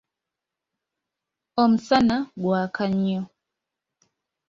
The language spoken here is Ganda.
Omusana gwaka nnyo.